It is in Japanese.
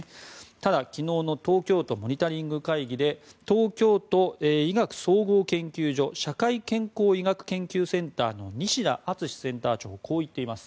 ただ、昨日の東京都モニタリング会議で東京都医学総合研究所社会健康医学研究センターの西田淳志センター長はこう言っています。